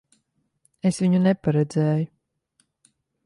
Es viņu neparedzēju.